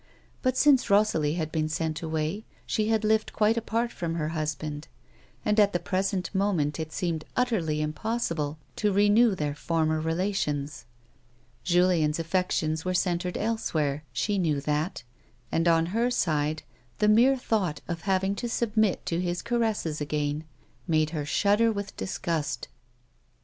But since Rosalie had been sent away, she had lived quite apart from her husband, and at the present moment it seemed utterly impossible to renew their former relations. Julien's alfections were centred elsewhere ; she knew that ; and, on her side, the mere thought of having to submit to his caresses again, made her shudder with disgust.